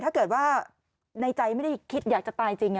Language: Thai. ถ้าเกิดว่าในใจไม่ได้คิดอยากจะตายจริง